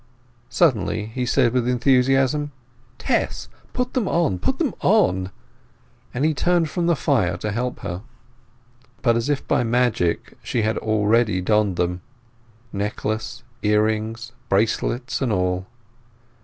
Suddenly he said with enthusiasm— "Tess, put them on—put them on!" And he turned from the fire to help her. But as if by magic she had already donned them—necklace, ear rings, bracelets, and all.